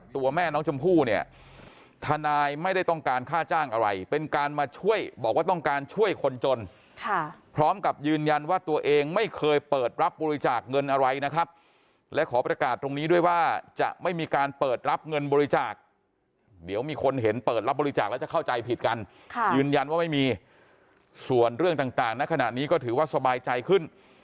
ตัวแม่น้องชมพู่เนี่ยทนายไม่ได้ต้องการค่าจ้างอะไรเป็นการมาช่วยบอกว่าต้องการช่วยคนจนพร้อมกับยืนยันว่าตัวเองไม่เคยเปิดรับบริจาคเงินอะไรนะครับและขอประกาศตรงนี้ด้วยว่าจะไม่มีการเปิดรับเงินบริจาคเดี๋ยวมีคนเห็นเปิดรับบริจาคแล้วจะเข้าใจผิดกันยืนยันว่าไม่มีส่วนเรื่องต่างในขณะนี้ก็ถือว่าสบายใจขึ้น